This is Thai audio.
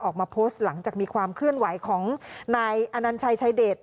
ออกมาโพสต์หลังจากมีความเคลื่อนไหวของนายอนัญชัยชายเดช